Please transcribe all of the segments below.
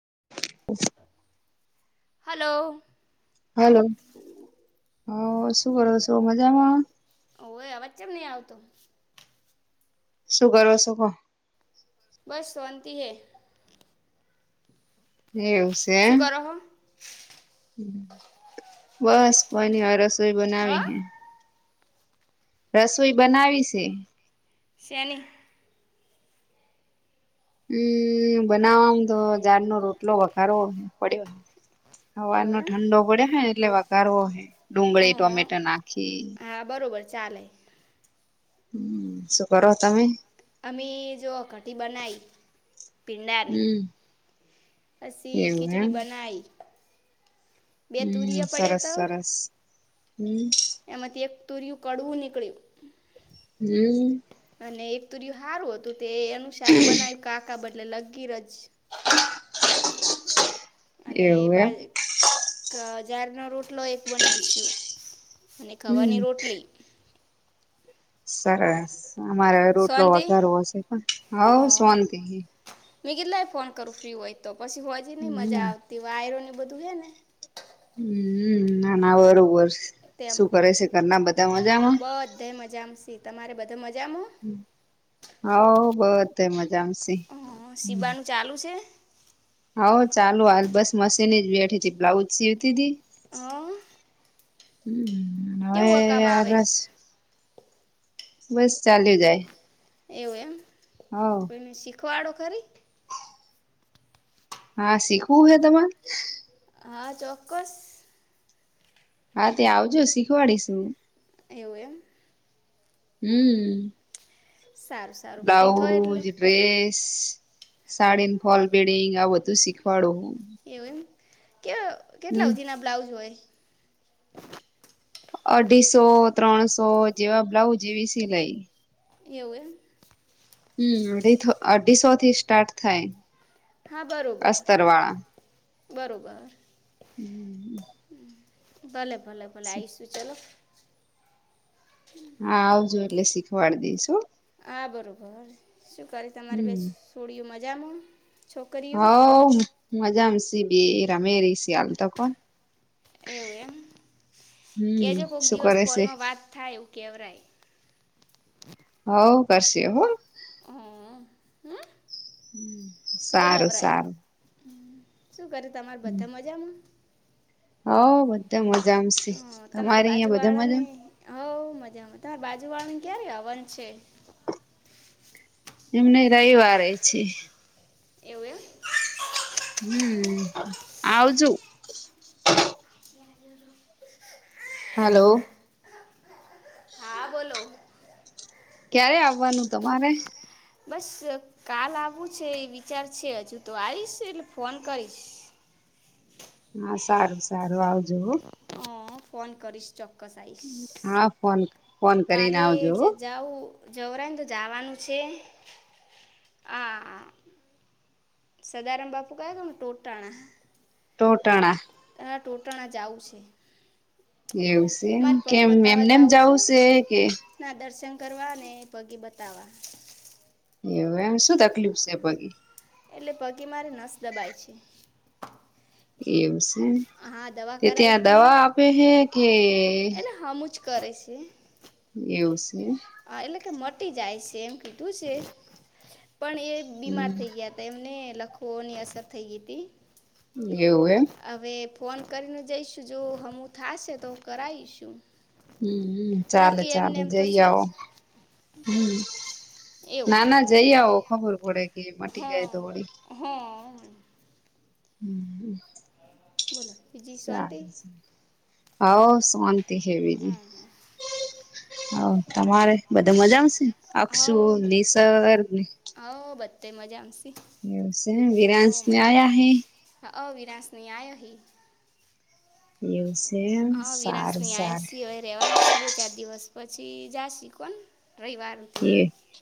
[unintelligible] Hello, hello હ શું કરો છો મજામાં, ઓ હોય વચ્ચેમ નહ આવતો શું કરો શો બસ સોનંતી હૈ, એવું સે શું કરો હો બસ કોની વા રસોઈ હા બનાવી હે, રસોઈ બનાવી સે, સેની હમ્મ બનાવાવામાં તો ઝારનો રોટલો વઘારો પડ્યો, હવાર એવું નો એમ ઠંડો પડે હ એટલે વઘારવો હે ડુંગળી અહં ટોમેટો નાખી હા બરોબર ચાલે, હમ શું કરો તમે અમે જો ખઠી બનાઈ પીંડા ની હમ પછી એવું એમ ખીચડી બનાઈ હમ સરસ સરસ હમ તુરયું કડવું નીકળ્યું હમ અને એક તુરું હારું હતું તે એનું શાક બનાવ્યું કાકા બ એટલે લગ રજ અને એવું એમ બા ારનો રોટલો એક બનાયશું અને હમ ખાવાની રોટલી સરસ અમારે રોટલો શાંતિ વધારો હશે પણ હ સોંતિ મે કેટલાય ફોન કરું ફ્રી હોય તો પછી હોજી નઈ હમ મજા આવતી વાયરોને બધું હે ને હમ નાના બરોબર શું તેમાં કરે છે કરના બધા મજામાં જી તમારે બધ મજા હા બહત મજામાંશે હ સીવાનું ચાલુ છે હા ચાલુ હાલ બસ મશીન જ બેઠી તથી બ્લાઉઝ સીવતી હતીી હ હમ હવે કેવું કામ આવે રસ બસ ચાલ જાય એવું એમ હ ખવાડો ખરી હા શીખવું હે તમારે હા ચોક્કસ હા ત્યાં આવજો શીખવાડીશું એવું એમ હમ સારું સારું ફ્રી થો એટલે બ્લાઉઝ ડ્રેસ સાડીને ફોલ ભેડ આ બધું શીખવાડોું એવું એમ કે કેટલા હમ સુધીના બ્લાઉઝ હોય અઢીસો ત્રણસો જેવા બ્લાઉઝ એવી સિલાઈ એવું હમ અઢી અઢીસો થી સ્ટાર્ટ થાય હા બરોબર અસ્તર બરોબર હમ ભલે ભલે ભલે આઈશું ચલોો હા આવજો એટલે શીખવાડ દઈશું હા બરાબર શું કરી તમારે બેસ હમ સોડ્યું મજામાં છોકરીઓ હવ મજામાં સ બે રમે ર શિયાલ તો કોણ એવું એમ હમ કેજ કોક શું દિવસ કરે છે ફોનમાં વાત થાય કેેવરાય હ કરશે હો હ હા હ સારું સારું શું કરે તમારા બધા મજામાં હ બધ મજ હ તમારી બાજુ વાળા ને હવ મજામાંજ તારે બાજુવાળ ક્યારે આવન છે એમને રવિવારે છે એવું એમ હમ આવજુ હલો હા બોલો ક્યારે આવવાનું તમારે બસ કાલ આવવું છે એ વિચાર છે હજુ તો આવીશ એટલે ફોન કરીશ [inaudible] હા સારું સારું આવજુ હ હં ફોન કરીશ ચોક્કસ આવીશ હા ફોન ફોન કરીને કાલે આવજો જ હો જાઉં જવરા તો જવાનું છે હ સદારમ બાપુ કાય તને ટોટના ટોટણા હ ટોટાણા જઉું છે એવું છે એમ મારે પગ કેમ બતાવવા એમને એમ જાવું જવું છે કે ના દર્શન કરવા અને એ પગે બતાવા. એમ શું તકલીફ છે પગી? કે મારે નસ દબાય છે. એમ છે હા દવા તે કરાવી ત્યાં હતી દવા આપે છે કે કછ કરે છે. એવું છે. હા એટલે કે મટી જાય છે એમ કીધું છે. પણ એ બીમાર હમ થઈ ગયા હતા એમને લખવની અસર થઈ ગઈ હતી. એવું એમ. હવે ફોન કરીને જઈશું જો હમું થશે તો કરાવીશું. હમ ચાલે નક્કી એમને ચાલે એમ તો જઈ છે આવો. જ હમ એવું ના ના જઈ આવો ખબર પડે. એ મટી જાય હા તો હોળી. હા હમ. બોલો. બીજી શાંતિ સારું સાર. હવ શોત હવી જ હ. તમારે બધા મજા આવશે અક્ષુ હા નિસર્ગની. એ મજામાં. છી એવ છે વિરન્સ ન્યાય હ. અવિરાશની આયો હ. એવું સે એમ હા વિરાશ સારું ની સારું આયાી હવે રેવાના જ છી બે ચાર દિવસ પછ છ જા કો રઈવાર એ સુધી.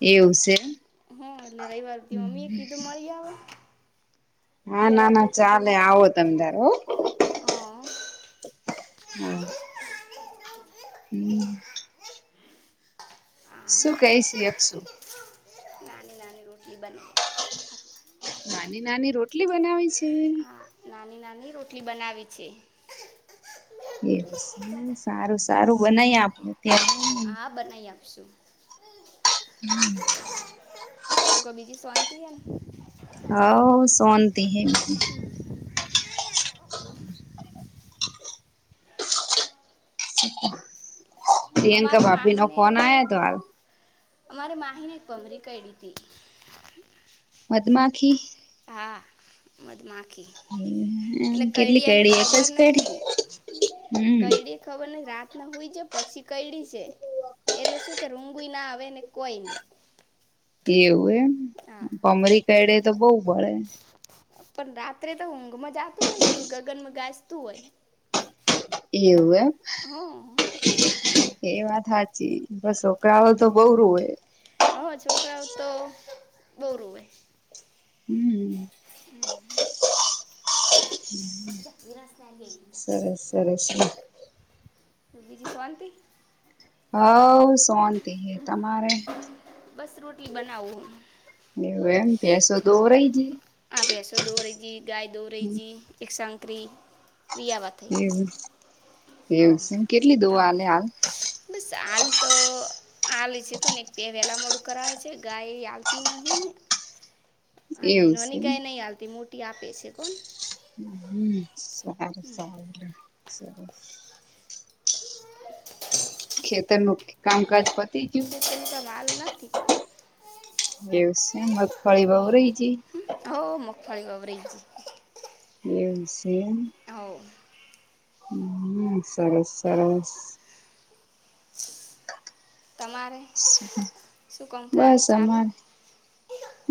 એવું છે. હા એટલે રવિ વારથી મમ્મી એ કીધું મળી આવે. હા બે ના રાતો ના કીધું ચાલે આવો તમે ધારો. હા હા. [inaudible] હમ. આ શું કઈ શિયશું. નાની નાની રુટી બના. નાની નાની રોટલી બનાવી છે. આ નાની નાની રોટલી બનાવી છે. એવ એમ સારું સારું બનાવી આપું. અત્યારે હા બનાવી આપશુ. શું ક બીજી શોંતિ એને. હા શોનતી હૈ. [inaudible] પ્રિયંકા અમારે ભાભી નો માહીને ફોન આયો હતો હાલ. અમારે માહીને એક ભમરી કેય્ડી હતી મધમાખી. હા મધમાં. એમ કેટલી કયડી એક જ ખબર કયડી નથી હમ કયડી ખબર ને રાત હોય છે પછી કયડી છે એટલે શું કે રુંગુ ના આવે ને કોઈ ની. એવું એમ ભમરી કયડે તો બહુ બળે પણ રાત્રે તો ઊંઘમાં જાતું હોય ને બધું ગગનમાં ગાજતું હોય. એવું એમ. હ એ વાત હાચી બસ છોકરાઓ તો બહ રુંવે રોવતો બવ રોવે હમ્મ સરસ સરસ બીજી શોન્તિ હવ શોંતિ હે તમારે બસ રોટલી બનાવું હું એવું એમ ભેંસો તો ભૈસો દોવ રહી જી ગાય દોવ રહી જી એકસંગ બકરી બિયાબ થઈ રહી છે એવું એવું સે એમ કેટલી દોવા હવ હલે હાલ આલે છે કોને તે વેલા મોડું કરાવે છે ગાય આલતી નહીં અને એવું સે નોની એમ ગાય નહી આલતી મોટી આપે છે કણ હમ સાર સારું સ ખેતરનું કામકાજ પર [unintelligible] એવું છે મગફાળી વવરાહી જિ ફરી વવરાઈ એવું છે. હવ હમ્મ સરસ સરસ તમારે શું કમ થાય બસ ચાલુ અમારે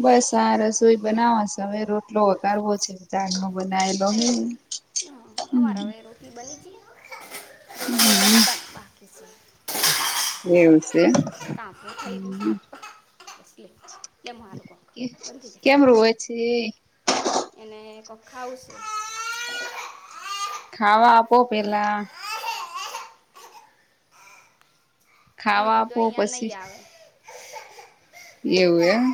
બસ આ રસોઈ બનાવા છે હવે રોટલો વગારવો છે ચાડ નો બનાયેલો હે એવું હ અમારા હવે રોટી બની જી હમ્મ [unintelligible] એવું છે એમ હ એટલે [unintelligible] કે કેમ રોવે છે. એને કોક ખાઉ છે ખાવા આપો પેહલા અમે ખાવા કીધું આપો અહીંયા પછી નહીં આવે એવું એમ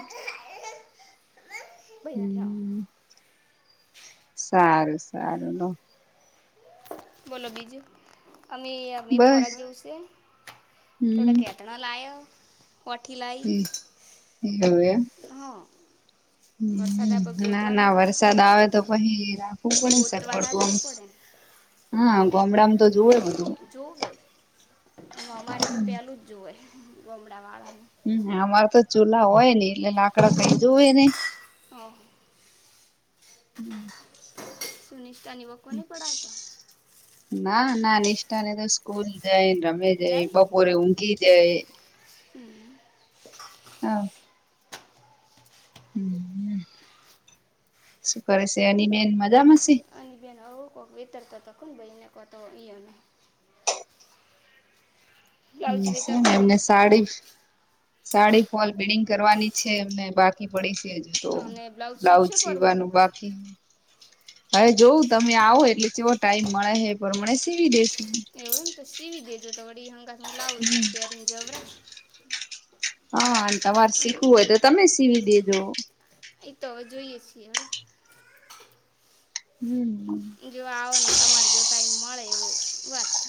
બરા હમ લ [unintelligible] સારું સારું લો બોલો બીજું અમે અમે બસ ફોરા જોવું છે. હમ થોડા કેટનો લાયય વોઠી લાઇ હા વરસાદ હ આપણે ના ગોતવા ના જવું વરસાદ પડે આવે ને તો પહી રાખવું પડે ગોતવા ના સગવડતુ આમ જવું પડે હા ગોમડામાં તો જોવ જ જોુવે અમારે તો પેલું જ જોુવે ગમડા વાળા ને હ અમારે તો ચૂલા હોય ને એટલે લાકડા કઈ જો હોય નને ઓ હમ્મ સુનિષ્ઠા નીવ કોને પડાંવતા ના ના નિષ્ઠા ને તો સ્કૂલ જાયને રમે જાય બપોરે ઊંઘી જાય હમ્મ હા હ શું કરે છે એની બેન મજામાં છે અને બેન આવું કોઈક વિતરતો તો કો ભાઈ એને કો તો ઈયો હમ્મ હતો એમને સાડી સાડી ફોલ બીડિંગ કરવાની છે એમને બાકી પડી જ તો અને બ્લાઉઝ લઉજ સીવશે પરું સીવાનું બાકી હવે જોવં તમે આવો એટલે ચવો ટાઈમ મળે હે પણ મને સીવી દેસ એવું એમ તો સીવી દેજો તો વડી હંગાસ લાવડ પેારીની જબરા હા તમારે શીખવું હોય તો તમે સીવી દેજો અ તો હવે જોઈએ છીએ હડ હમ જો આવો ને તમારે જો ટાઈમ મળે એવું વાત થ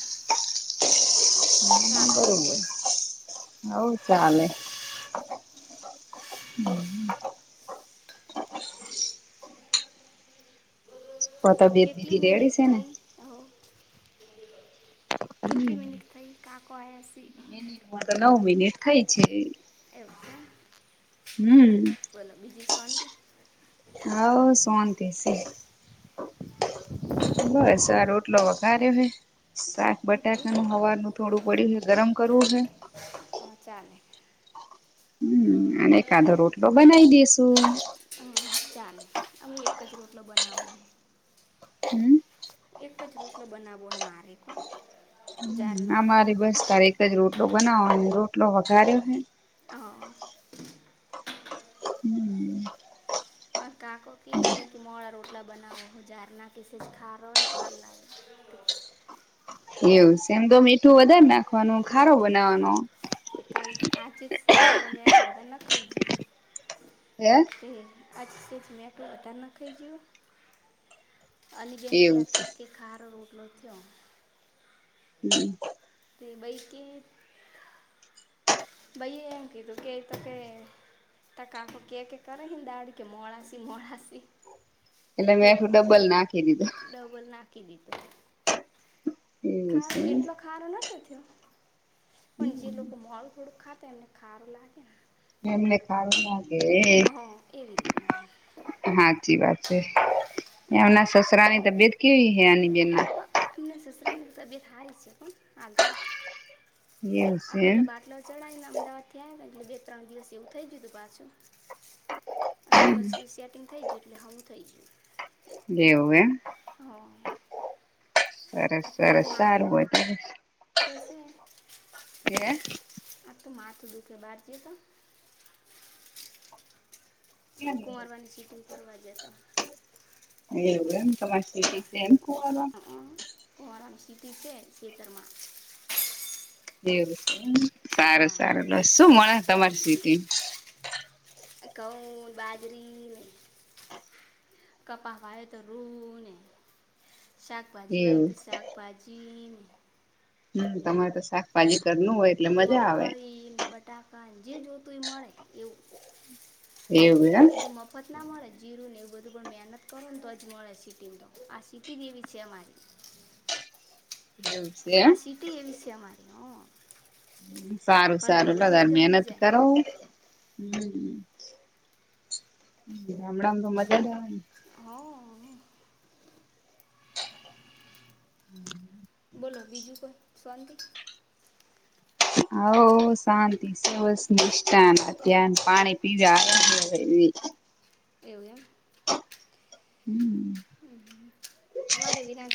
હ બરોબર હવ ચાલે હમ તો તબિયત બીજી કેટલી મિનિટ રેડી છે ને થઈ હો કેટલી મિનિટ થઈ કાકોસી મિનિટમાં તો નવ મિનિટ થાય છે એવું છે હમ બોલો બીજું સન હા શંત સ બસ સાર ઓટલો વઘારે્યો હય શાક દીકરી બટાકાનું હવાનું થોડું પડ્યું છે ગરમ કરવું છે હા ચાલે હમ અને કાધો રોટલો બનાવી દેસુ હા, ચાલે અમે એક જ રોટલો બનાવું હમ એક જ રોટલો બનાવવો હોય મારેકો આમારી બસ તારી એક જ રોટલો બનાવો રોટલો વધઘાર્યો છે હ હમ કાકો ક તમ કે મોર રોટલા બનાવઓ જારના કે સ ખા રહ તોર લાગ [inaudible] એમ તો તું વધારે નાખવાનું ખારો બનાવાનો તે કાલ આજે જ સેજ મેઠું વધારે ન ખાઈ હે તે અછ મેંટલું વધાર ના ખાઈ ગું અને બેનકી એવું છે કે ખાર ર રખ્યો હમ બૈકી ભાઈ એમ કીધું કે તો કે ત કાકો કે કે કરે દાડી કે મોડાાસી મોડાાસી એટલે મેં આું ડબલ નાખી દીધું ડબલ એવું ખા છે એટલો ખારો નતો થયો પણ જે લોકો મોલ થોડુંક ખાતા એમને ખાર લાગે ને એમને કારણ હ હા એવી રીતના એમ હાચી વાત એમના સસરાની તબિયત કેવી હે આની બેન ના એમને સસરાની તબિયત હારી છે, પણ હાલ તો એવું આ છે એમ પેલા બાટલા ચઢીને અમદાવાદ થી આવ એટલે બે-ત્રણ દિવસ એવું થઈ ગયું હતું, પાછું. અને પછી સેટિંગ થઇ ગયું, એટલે હું થઇ ગયું. જેવું એમ. હ. સરસ, આ તો સરસ. એવું માથું સારું દુખે બે જશે કે. [unintelligible] [inaudible] કુંમારવાની સિટિંગ ફરવા જતો. એવડમ તોછ હા છે એમ કો [unintelligible] ત છે શતર્માં [unintelligible] એ સારું, સારું. હા બસ, શું મળે તમારી સિટીમાં? ઘઉં બાજરીને કપાવાયા તરુને. શાકભાજી વાઇ એવું તો શાકભાજી હમ, તમારે તો શાકભાજી કર મગફળી ને બટાકા જે જોતું એ મળે એવું. એવું એમ એ તો મફત ના મળે ને. જીરું ને એવું બધું પણ મહેનત કરો ને તો જ મળે. સીટીમાં તો આ સીટી જ એવી છે અમારી. [unintelligible] એવું છે એમ આ સીટી એવી સે અમારી હ. સારું, સારું. ને લગાર ગમી મહેનત જાય કરો. હમ, ગામડામાં તો મજા જ આવે ને. હઅ હઅ. [unintelligible] હમ. બોલો, બીજું કો શોન્તી. હાવો શાંતિ સે બસ નિષ્ઠા ને ધ્યાન, પાણી [inaudible] એવું એમ. હમ. અમારે વિના